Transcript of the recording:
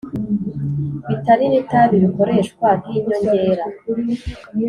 bitari n itabi bikoreshwa nk inyongera